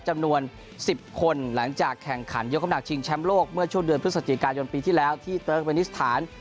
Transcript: จำนวน๑๐คนหลังจากแข่งขันยกน้ำหนักชิงแชมป์โลกเมื่อช่วงเดือนพฤศจิกายนปีที่แล้วที่เติร์กเวนิสถาน